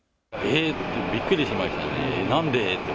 えーって、びっくりしましたね。